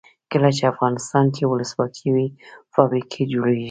کله چې افغانستان کې ولسواکي وي فابریکې جوړیږي.